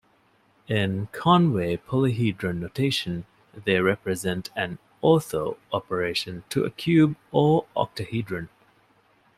In Conway polyhedron notation, they represent an "ortho" operation to a cube or octahedron.